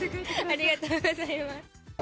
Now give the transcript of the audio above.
ありがとうございます。